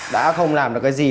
đã không làm được cái gì